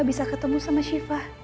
bisa ketemu sama syifa